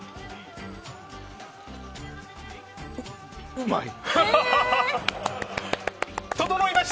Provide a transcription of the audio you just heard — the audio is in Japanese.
うまい！